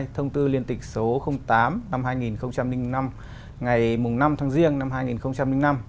thông tư liên tịch số tám năm hai nghìn năm ngày năm tháng riêng năm hai nghìn năm